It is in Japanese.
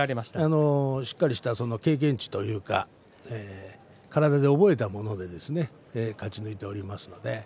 しっかりした経験値というか体で覚えたもので勝ち抜いています。